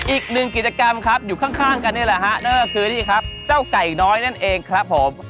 อีกหนึ่งกิจกรรมครับอยู่ข้างกันนี่แหละฮะนั่นก็คือนี่ครับเจ้าไก่น้อยนั่นเองครับผม